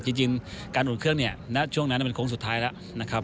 จริงการอุ่นเครื่องเนี่ยณช่วงนั้นเป็นโค้งสุดท้ายแล้วนะครับ